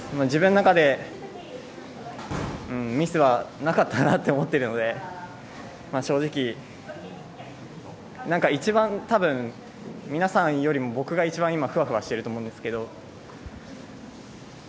自分の中でミスはなかったなと思っているので、正直、皆さんよりも僕が一番ふわふわしていると思うんですけど。